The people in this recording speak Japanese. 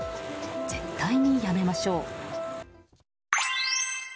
絶対にやめましょう。